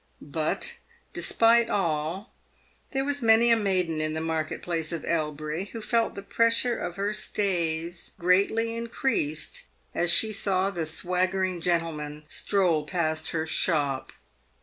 But, despite all, there was many a maiden in the market place of Elbury who felt the pressure of her stays greatly increased as she saw the swaggering gentleman stroll past her shop.